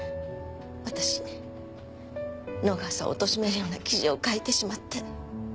私野川さんを貶めるような記事を書いてしまって。